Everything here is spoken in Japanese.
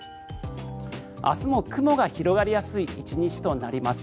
明日も雲が広がりやすい１日となります。